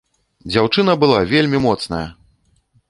Дзяўчына была вельмі моцная!